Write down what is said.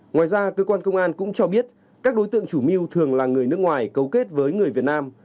ngoài ra cơ quan công an cũng cho biết các đối tượng chủ mưu thường là người nước ngoài cấu kết với người việt nam